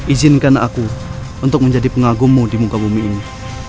izinkan aku untuk menjadi pengagummu di muka bumi ini